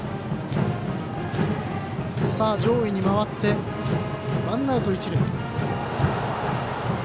上位に回ってワンアウト、一塁。